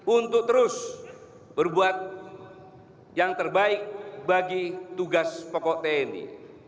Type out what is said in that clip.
untuk terus berbuat yang terbaik bagi tugas pokok tni